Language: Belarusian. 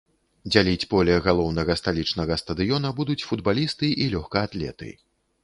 Дзяліць поле галоўнага сталічнага стадыёна будуць футбалісты і лёгкаатлеты.